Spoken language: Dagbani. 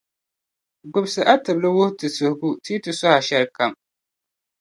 gbilisi a tibili wum ti suhigu ti yi ti suhi a saha shɛlikam.